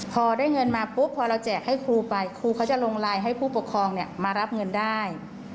พอได้เงินมาปุ๊บพอเราแจกให้ครูไปครูเขาจะลงไลน์ให้ผู้ปกครองมารับเงินได้